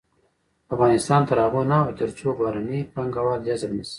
افغانستان تر هغو نه ابادیږي، ترڅو بهرني پانګوال جذب نشي.